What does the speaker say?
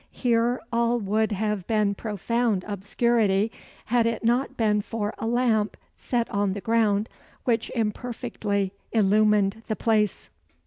Here all would have been profound obscurity, had it not been for a lamp set on the ground, which imperfectly illumined the place.